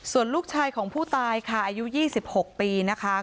ส่วนลูกชายของผู้ตายค่ะอายุ๒๖ปีนะคะ